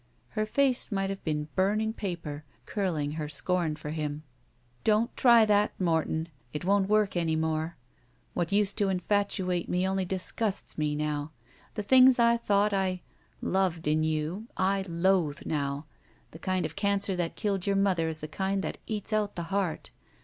Her face might have been burning paper, curling her scorn for him. "Don't try that, Morton. It won't work any more. What used to infatuate me only disgusts me now. The things I thought I — Gloved — ^in you, I loathe now. The kind of cancer that killed your mother is the kind that eats out the heart.